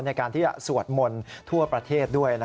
ในการที่จะสวดมนต์ทั่วประเทศด้วย